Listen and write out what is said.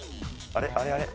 あれあれ。